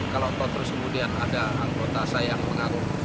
kalau terus kemudian ada anggota saya yang mengaruh